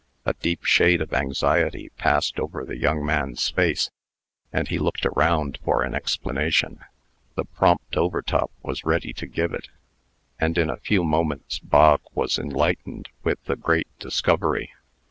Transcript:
A deep shade of anxiety passed over the young man's face, and he looked around for an explanation. The prompt Overtop was ready to give it; and, in a few moments, Bog was enlightened with the great discovery.